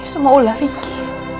ini semua ular iki